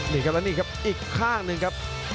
นี่ครับแล้วนี่ครับอีกข้างหนึ่งครับ